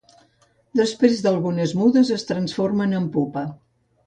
Després d'algunes mudes es transformen en pupa.